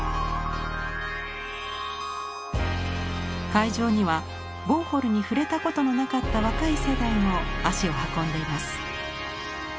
会場にはウォーホルに触れたことのなかった若い世代も足を運んでいます。